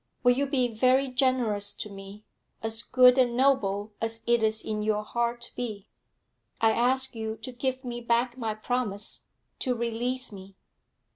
'Will you be very generous to me as good and noble as it is in your heart to be? I ask you to give me back my promise to release me.